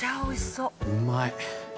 うまい！